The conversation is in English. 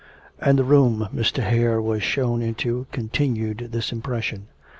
And the room Mr. Hare was shown into continued this impression.